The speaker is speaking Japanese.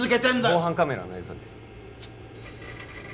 防犯カメラの映像です